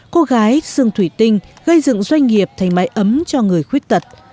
cô gái sương thủy tinh gây dựng doanh nghiệp thành mái ấm cho người khuyết tật